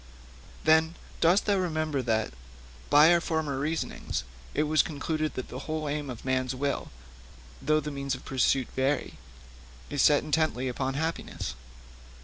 'Then, dost thou remember that, by our former reasonings, it was concluded that the whole aim of man's will, though the means of pursuit vary, is set intently upon happiness?'